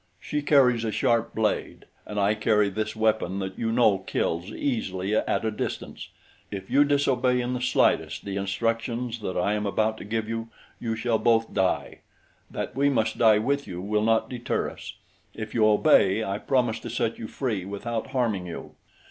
She carries a sharp blade, and I carry this weapon that you know kills easily at a distance. If you disobey in the slightest, the instructions that I am about to give you, you shall both die. That we must die with you, will not deter us. If you obey, I promise to set you free without harming you.